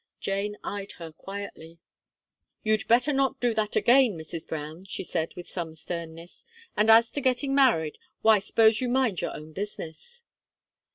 Jane eyed her quietly. "You'd better not do that again, Mrs. Brown," she said, with some sternness, "and as to getting married: why, s'pose you mind your own business!"